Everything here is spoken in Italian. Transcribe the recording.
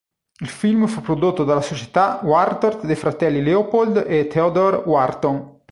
Il film fu prodotto dalla società Wharton dei fratelli Leopold e Theodore Wharton.